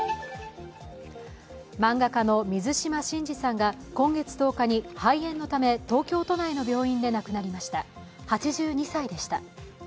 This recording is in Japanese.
漫画家の水島新司さんが今月１０日に肺炎のため東京都内の病院で亡くなりました８２歳でした。